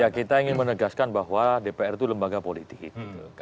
ya kita ingin menegaskan bahwa dpr itu lembaga politik